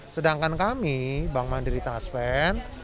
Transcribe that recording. sedangkan kami bank mandiri taspen